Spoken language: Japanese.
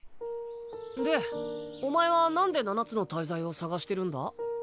でお前はなんで七つの大罪を捜してるんだ？